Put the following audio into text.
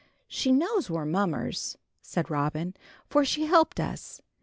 "She knows we're mummers," said Robin, "for she helped us.